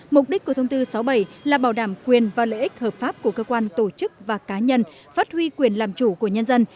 mục đích của thông tư sáu mươi bảy là bảo đảm quyền và lợi ích hợp pháp của cơ quan tổ chức và cá nhân phát huy quyền làm chủ của nhân dân